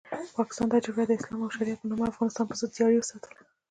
پاکستان دا جګړه د اسلام او شریعت په نامه د افغانستان پرضد جاري وساتله.